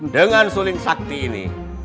dengan suling sakti ini